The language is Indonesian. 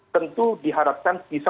tentu diharapkan bisa